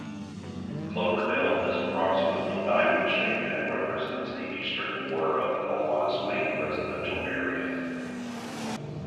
Cloverdale is approximately diamond-shaped, and represents the eastern quarter of Belmont's main residential area.